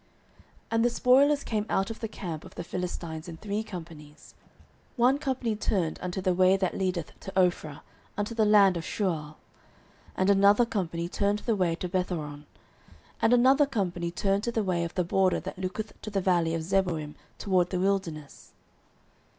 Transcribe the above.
09:013:017 And the spoilers came out of the camp of the Philistines in three companies: one company turned unto the way that leadeth to Ophrah, unto the land of Shual: 09:013:018 And another company turned the way to Bethhoron: and another company turned to the way of the border that looketh to the valley of Zeboim toward the wilderness.